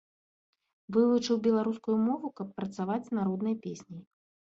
Вывучыў беларускую мову, каб працаваць з народнай песняй.